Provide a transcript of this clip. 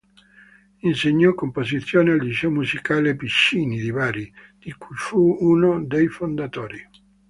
Insegnò composizione al liceo musicale "Piccinni" di Bari, di cui fu uno dei fondatori.